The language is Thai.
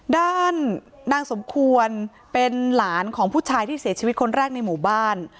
ด้านนางสมควรเป็นหลานของผู้ชายที่เสียชีวิตคนแรกในหมู่บ้าน